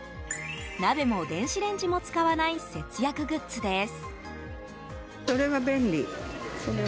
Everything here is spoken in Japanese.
鍋も電子レンジも使わない節約グッズです。